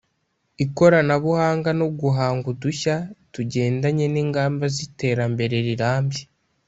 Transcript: ikoranabuhanga no guhanga udushya tugendanye n’ingamba z’iterambere rirambye